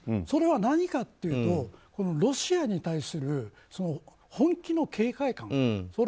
それは何かっていうとロシアに対する本気の警戒感